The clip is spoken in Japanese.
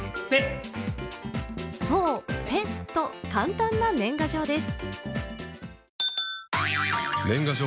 そう、ペッ！と簡単な年賀状です。